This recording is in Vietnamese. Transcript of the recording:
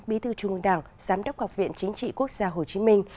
bí thư trung ương đảng giám đốc học viện chính trị quốc gia hồ chí minh